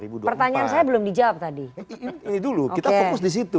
pertanyaan saya belum dijawab tadi ini dulu kita fokus disitu